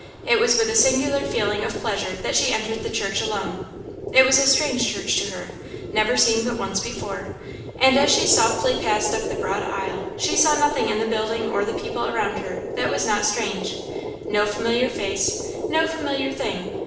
It was with a singular feeling of pleasure that she entered the church alone. It was a strange church to her never seen but once before; and as she softly passed up the broad aisle, she saw nothing in the building or the people around her that was not strange no familiar face, no familiar thing.